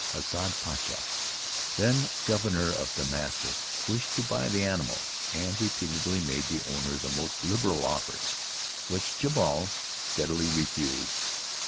Hassad Pacha, then Governor of Damascus, wished to buy the animal, and repeatedly made the owner the most liberal offers, which Jabal steadily refused.